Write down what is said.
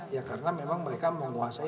ya karena memang mereka menguasai